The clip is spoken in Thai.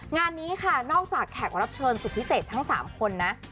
งานนี้ค่ะนอกจากแขกรับเชิญสุดพิเศษทั้ง๓คนนะ